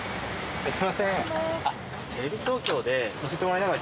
すみません